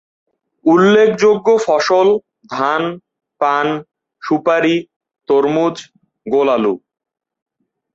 উল্লেখযোগ্য ফসল ধান, পান, সুপারি, তরমুজ, গোল আলু।